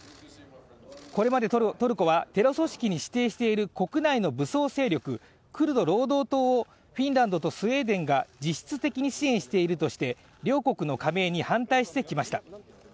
これまでトルコは、テロ組織に指定している国内の武装勢力クルド労働者党をフィンランドとスウェーデンが実質的に支援しているとして両国の加盟に反対してきました。